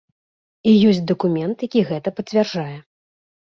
І ёсць дакумент, які гэта пацвярджае.